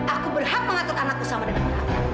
aku berhak mengatur anakku sama dengan orang lain